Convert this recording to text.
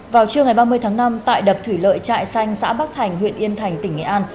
vào trưa ngày ba mươi tháng năm tại đập thủy lợi trại xanh xã bắc thành huyện yên thành tỉnh nghệ an